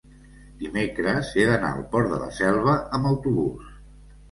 dimecres he d'anar al Port de la Selva amb autobús.